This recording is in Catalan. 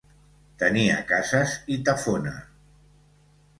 Tenia cases i tafona.